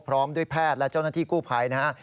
พร้อมด้วยแพทย์และเจ้าหน้าที่กู้ภัยนะฮะ